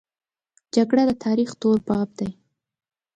جګړه د تاریخ تور باب دی